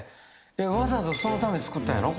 わざわざそのために作ったんやろ？